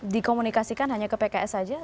dikomunikasikan hanya ke pks saja